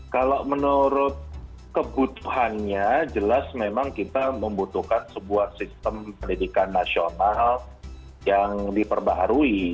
kalau menurut kebutuhannya jelas memang kita membutuhkan sebuah sistem pendidikan nasional yang diperbaharui